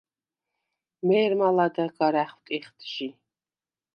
მე̄რმა ლადეღ გარ ა̈ხვტიხდ ჟი.